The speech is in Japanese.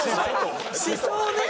思想ね。